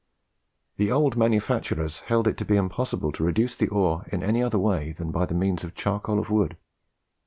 The old manufacturers held it to be impossible to reduce the ore in any other way than by means of charcoal of wood.